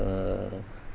cái sản phẩm của chúng ta